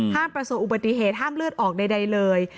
ประสบอุบัติเหตุห้ามเลือดออกใดเลย